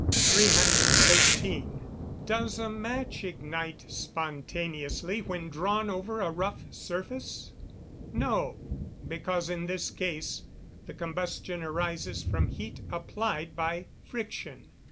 313. Does a match ignite spontaneously when drawn over a rough surface? No. Because in this case the combustion arises from heat applied by friction.